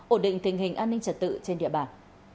ổn định tình hình an ninh trật tự trên địa bàn